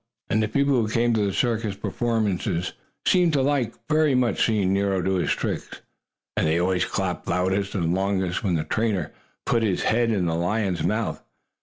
And the people who came to the circus performances seemed to like, very much, seeing Nero do his tricks. And they always clapped loudest and longest when the trainer put his head in the lion's mouth.